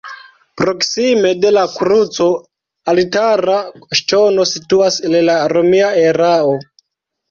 Proksime de la kruco altara ŝtono situas el la romia erao.